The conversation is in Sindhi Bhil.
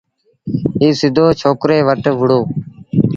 ائيٚݩ سڌو ڇوڪريٚ وٽ وُهڙو۔